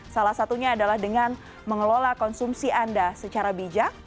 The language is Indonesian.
salah satunya adalah dengan mengelola konsumsi anda secara bijak